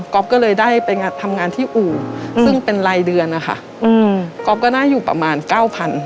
ก๊อกก็เลยได้ไปทำงานที่อู่ซึ่งเป็นรายเดือนอะค่ะก๊อกก็ได้อยู่ประมาณ๙๐๐๐บาท